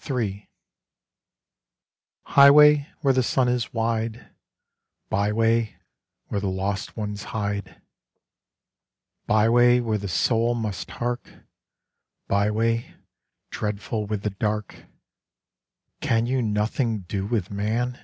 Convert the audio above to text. _' III Highway, where the Sun is wide; Byway, where the lost ones hide, Byway, where the Soul must hark, Byway, dreadful with the Dark: Can you nothing do with Man?